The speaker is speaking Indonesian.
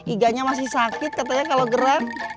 iganya masih sakit katanya kalau geram